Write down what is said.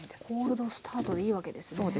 コールドスタートでいいわけですね。